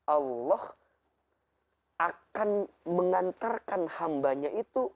allah akan mengantarkan hambanya itu